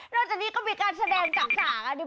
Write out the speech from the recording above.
นอกจากนี้ก็มีการแสดงจักรสางอีก